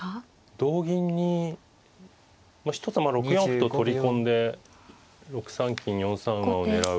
同銀に一つは６四歩と取り込んで６三金４三馬を狙う。